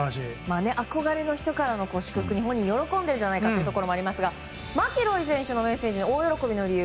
憧れの方からの祝福喜んでいるんじゃないかと思いますがマキロイ選手のメッセージに大喜びの理由。